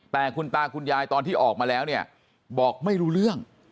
แต่คุณตาคุณยายตอนที่ออกมาแล้วเนี่ยบอกไม่รู้เรื่อง